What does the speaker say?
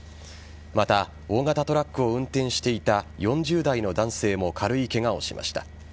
また、大型トラックを運転していた４０代の男性も軽いケガをしました。